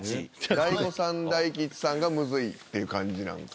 大悟さん大吉さんがむずいっていう感じなんかな。